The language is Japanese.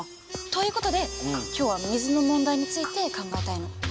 ということで今日は水の問題について考えたいの。